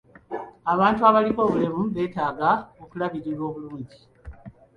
Abantu abaliko obulemu beetaaga okulabirirwa obulungi.